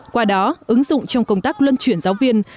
qua đó ứng dụng trong công tác luân chuyển giáo viên